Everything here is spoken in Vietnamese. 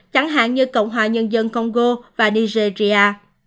chẳng hạn như cộng hòa nhân dân congo và nigeria